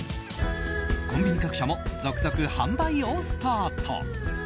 コンビニ各社も続々販売をスタート。